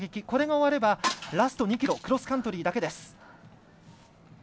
これが終われば、ラスト２ｋｍクロスカントリーだけです。